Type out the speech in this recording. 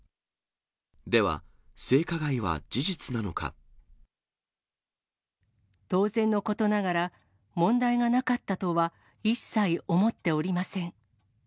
では、当然のことながら、問題がなかったとは一切思っておりません。